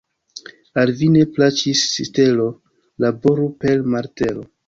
Al vi ne plaĉis sitelo, laboru per martelo.